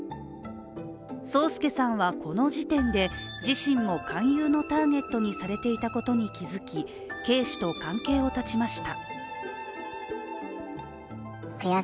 聡介さんはこの時点で、自身も勧誘のターゲットにされていたことに気付きＫ氏と関係を断ちました。